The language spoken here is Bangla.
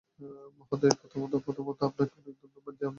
মহোদয় প্রথমত আপনাকে অনেক অনেক ধন্যবাদ, যে আপনি আমাদের এলাকায় এসেছেন।